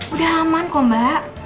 udah aman kok mbak